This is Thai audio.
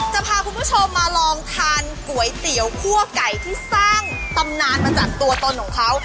จะพาคุณผู้ชมมาลองทานก๋วยเตี๋ยวคั่วไก่ที่สร้างตำนานมาจากตัวตนของเขา